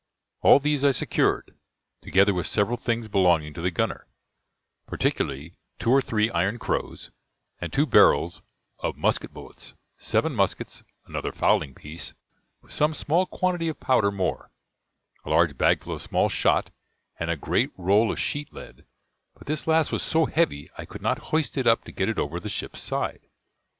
All these I secured, together with several things belonging to the gunner, particularly two or three iron crows, and two barrels of musket bullets, seven muskets, another fowling piece, with some small quantity of powder more; a large bagful of small shot, and a great roll of sheet lead; but this last was so heavy I could not hoist it up to get it over the ship's side.